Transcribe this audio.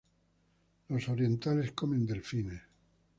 Los orientales comen delfines.